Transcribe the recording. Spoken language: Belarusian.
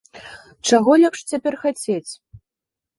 Чаго лепш цяпер хацець?